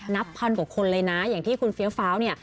นับพันกว่าคนเลยนะอย่างที่คุณเฟี้ยวฟ้าวเนี่ย